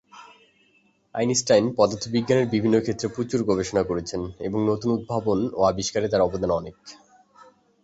Einstein পদার্থবিজ্ঞানের বিভিন্ন ক্ষেত্রে প্রচুর গবেষণা করেছেন এবং নতুন উদ্ভাবন ও আবিষ্কারে তার অবদান অনেক।